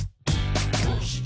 「どうして？